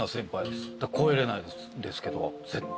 超えれないですけど絶対。